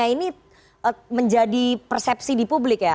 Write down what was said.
ini menjadi persepsi di publik ya